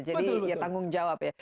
jadi ya tanggung jawab ya